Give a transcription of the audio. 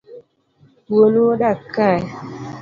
Wuonu odak kae?